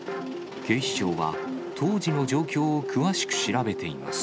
警視庁は、当時の状況を詳しく調べています。